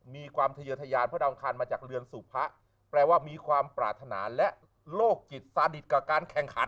มีความทะเยอทยานพระดาวอังคารมาจากเรือนสู่พระแปลว่ามีความปรารถนาและโลกจิตสาดิตกับการแข่งขัน